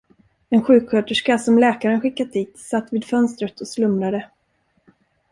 En sjuksköterska, som läkaren skickat dit, satt vid fönstret och slumrade.